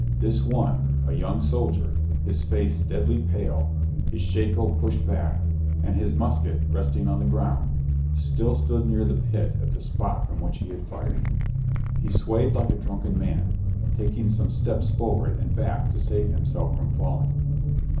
This one, a young soldier, his face deadly pale, his shako pushed back, and his musket resting on the ground, still stood near the pit at the spot from which he had fired. He swayed like a drunken man, taking some steps forward and back to save himself from falling.